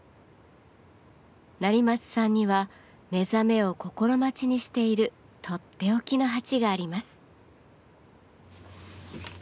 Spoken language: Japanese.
成松さんには目覚めを心待ちにしているとっておきの鉢があります。